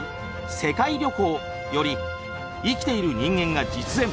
世界旅行」より「生きている人間が実演！